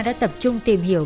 đã tập trung tìm hiểu